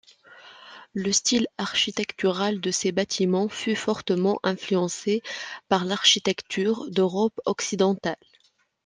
Le style architectural de ces bâtiments fut fortement influencé par l’architecture d'Europe occidentale.